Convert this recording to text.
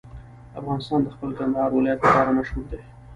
افغانستان د خپل کندهار ولایت لپاره مشهور دی.